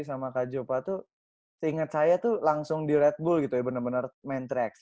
sama kak jopa tuh seinget saya tuh langsung di red bull gitu ya bener bener main tiga x tiga